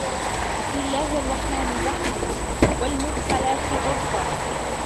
بِسمِ اللَّهِ الرَّحمنِ الرَّحيمِ وَالمُرسَلاتِ عُرفًا